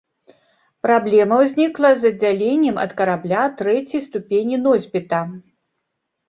Праблема ўзнікла з аддзяленнем ад карабля трэцяй ступені носьбіта.